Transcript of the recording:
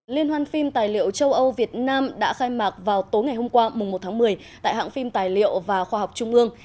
liên hoan phim tài liệu châu âu việt nam đã khai mạc vào tối ngày hôm qua mùng một tháng một mươi tại hãng phim tài liệu và khoa học trung ương